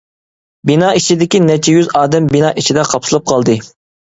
بىنا ئىچىدىكى نەچچە يۈز ئادەم بىنا ئىچىدە قاپسىلىپ قالدى.